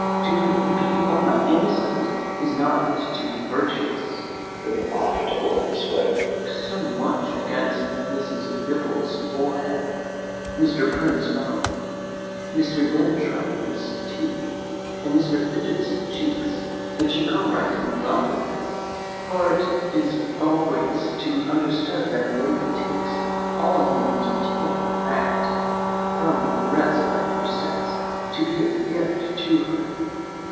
To be only innocent is not to be virtuous! He afterwards spoke so much against Mrs. Dipple's forehead, Mrs. Prim's mouth, Mrs. Dentifrice's teeth, and Mrs. Fidget's cheeks that she grew downright in love with him; for it is always to be understood that a lady takes all you detract from the rest of her sex to be a gift to her.